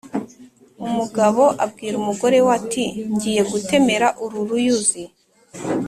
umugabo abwira umugore we ati "ngiye gutemera uru ruyuzi